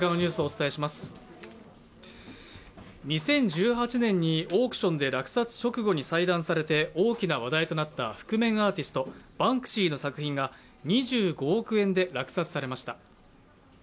２０１８年にオークションで落札直後に細断されて大きな話題となった覆面アーティスト、バンクシーの作品が２５億円で落札されました。